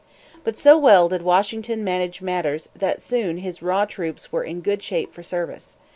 But so well did Washington manage matters that soon his raw troops were in good shape for service.